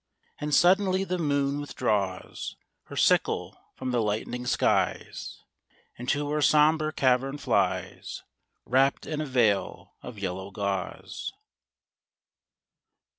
And suddenly the moon withdraws Her sickle from the lightening skies, And to her sombre cavern flies, Wrapped in a veil of yellow gauze.